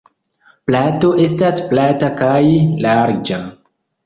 Plato estas plata kaj larĝa.